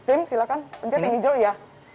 steam silahkan pencet yang hijau ya